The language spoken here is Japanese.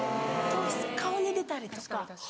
顔に出たりとか。